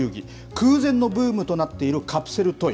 空前のブームとなっているカプセルトイ。